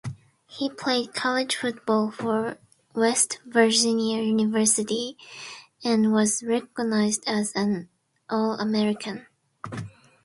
He played college football for West Virginia University, and was recognized as an All-American.